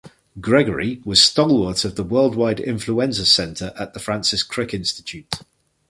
Gregory was stalwart of the Worldwide Influenza Centre at the Francis Crick Institute.